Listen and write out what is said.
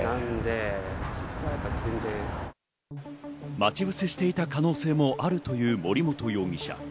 待ち伏せしていた可能性もあるという森本容疑者。